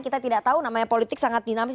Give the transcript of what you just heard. kita tidak tahu namanya politik sangat dinamis